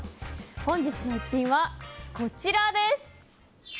本日の逸品はこちらです。